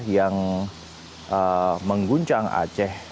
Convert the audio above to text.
yang mengguncang aceh